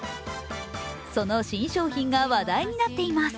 その新商品が話題になっています。